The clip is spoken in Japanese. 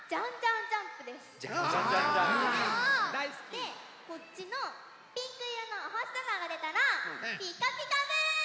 でこっちのピンクいろのおほしさまがでたら「ピカピカブ！」。